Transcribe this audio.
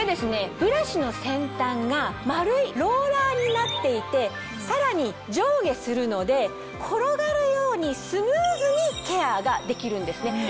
ブラシの先端が丸いローラーになっていてさらに上下するので転がるようにスムーズにケアができるんですね。